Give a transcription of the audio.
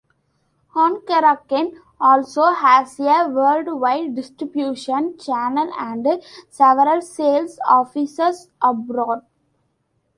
Honkarakenne also has a worldwide distribution channel and several sales offices abroad.